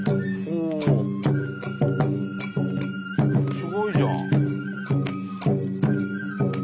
すごいじゃん。